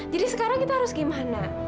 jadi sekarang kita harus gimana